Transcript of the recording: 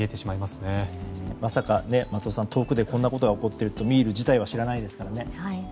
まさか遠くでこんなことが起こっているとはミールは知らないですからね。